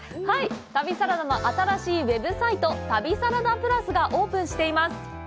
旅サラダの新しいウェブサイト「旅サラダＰＬＵＳ」がオープンしています。